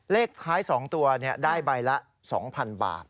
เลขท้าย๒ตัวได้ใบละ๒๐๐๐บาท